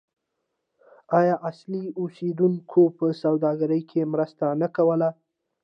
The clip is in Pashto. آیا اصلي اوسیدونکو په سوداګرۍ کې مرسته نه کوله؟